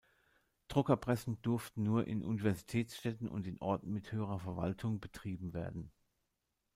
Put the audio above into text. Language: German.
Druckerpressen durften nur in Universitätsstädten und in Orten mit höherer Verwaltung betrieben werden.